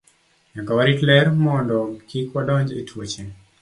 Nyaka warit ler mondo kik wadonj e tuoche.